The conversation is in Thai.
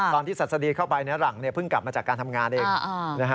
ศัษฎีเข้าไปหลังเพิ่งกลับมาจากการทำงานเอง